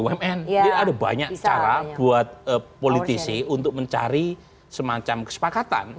jadi ada banyak cara buat politisi untuk mencari semacam kesepakatan